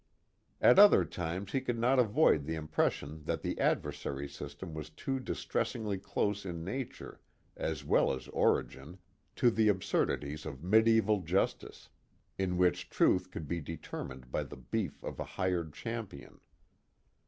At other times he could not avoid the impression that the adversary system was too distressingly close in nature as well as origin to the absurdities of medieval justice, in which truth could be determined by the beef of a hired champion.